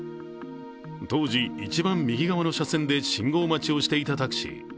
当時、一番右側の車線で信号待ちをしていたタクシー。